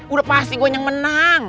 udah pasti gue yang menang